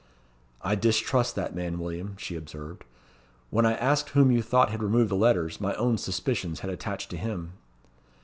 "I distrust that man, William," she observed. "When I asked whom you thought had removed the letters, my own suspicions had attached to him."